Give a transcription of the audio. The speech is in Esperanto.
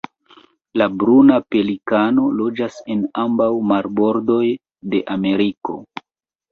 La Bruna pelikano loĝas en ambaŭ marbordoj de Ameriko.